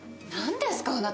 何ですか？